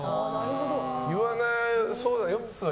言わなそうだよ。